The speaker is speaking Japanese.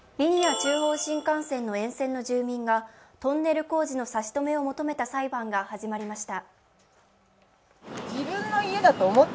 中央新幹線の沿線の住民がトンネル工事の差し止めを求めた裁判が始まりました。